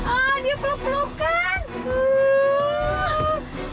ah dia peluk pelukan